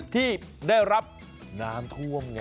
ที่ได้รับน้ำท่วมไง